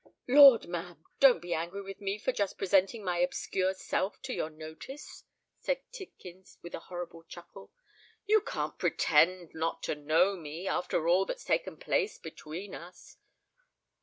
"Lord, ma'am, don't be angry with me for just presenting my obscure self to your notice," said Tidkins, with a horrible chuckle. "You can't pretend not to know me, after all that's taken place between us?"